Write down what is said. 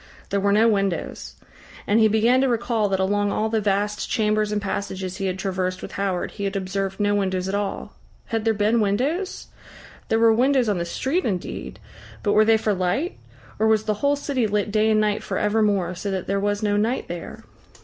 There were no windows. And he began to recall that along all the vast chambers and passages he had traversed with Howard he had observed no windows at all. Had there been windows? There were windows on the street indeed, but were they for light? Or was the whole city lit day and night for evermore, so that there was no night there?